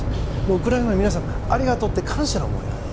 ウクライナの皆さんありがとうって感謝の思いがある。